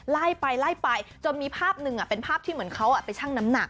ไล่ไปไล่ไปจนมีภาพหนึ่งเป็นภาพที่เหมือนเขาไปชั่งน้ำหนัก